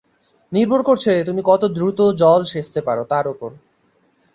নির্ভর করছে তুমি কত দ্রুত জল সেচতে পারো, তার উপর।